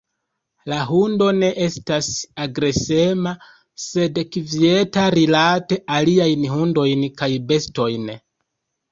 La hundo ne estas agresema, sed kvieta rilate aliajn hundojn kaj bestojn.